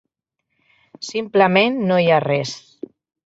Simplement no hi ha res.